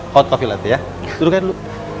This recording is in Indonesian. hot kopi latte ya duduk aja dulu